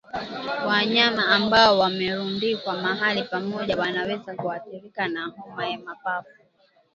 Wanyama ambao wamerundikwa mahali pamoja wanaweza kuathirika na homa ya mapafu